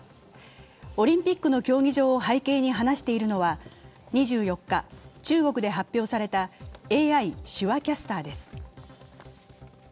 オリンピックの競技場を背景に話しているのは２４日、中国で発表されたＡＩ手話キャスターです。